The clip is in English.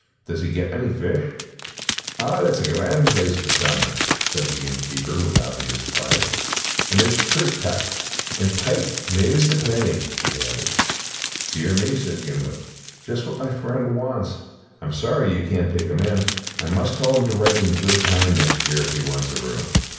"Does he get many fish?" "Oh, it's a grand place for salmon," said the inn keeper with obvious pride. "And there's troots tac. And pike, mair's the peety," he added. "Dear me," said Gimblet, "just what my friend wants. I'm sorry you can't take him in. I must tell him to write in good time next year if he wants a room."